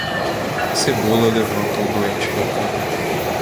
Cebola levanta o doente da cama.